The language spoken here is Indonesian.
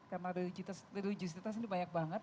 karena religiositas ini banyak banget